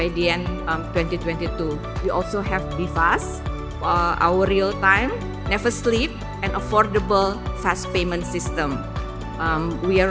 kami juga memiliki bifas real time never sleep dan sistem pembayaran yang mudah yang dapat diperlukan